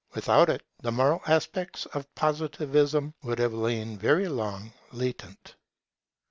Without it the moral aspects of Positivism would have lain very long latent.